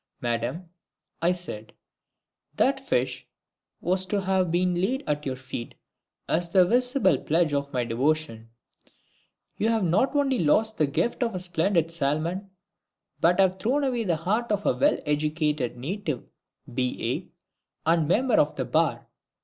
"Madam," I said, "that fish was to have been laid at your feet as the visible pledge of my devotion. You have not only lost the gift of a splendid salmon, but have thrown away the heart of a well educated native B.A. and Member of the Bar!